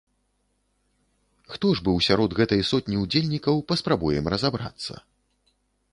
Хто ж быў сярод гэтай сотні ўдзельнікаў, паспрабуем разабрацца.